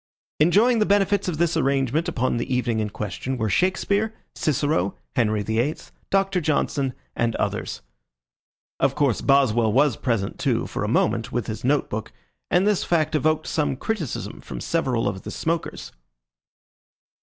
Enjoying the benefits of this arrangement upon the evening in question were Shakespeare, Cicero, Henry VIII., Doctor Johnson, and others. Of course Boswell was present too, for a moment, with his note book, and this fact evoked some criticism from several of the smokers.